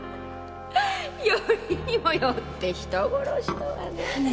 よりにもよって人殺しとはねぇ。